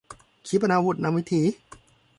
ขีปนาวุธนำวิถี